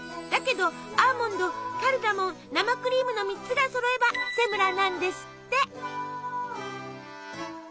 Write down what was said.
だけどアーモンドカルダモン生クリームの３つがそろえばセムラなんですって。